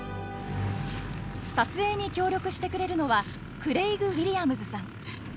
撮影に協力してくれるのはクレイグ・ウイリアムズさん。